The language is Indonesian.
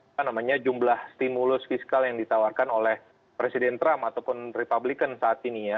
apa namanya jumlah stimulus fiskal yang ditawarkan oleh presiden trump ataupun republican saat ini ya